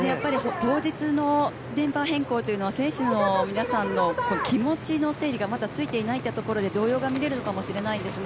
当日のメンバー変更は選手の皆さんの気持ちの整理がついていないところで動揺が見えるのかもしれせませんね。